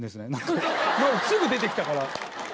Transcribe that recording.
もうすぐ出てきたから。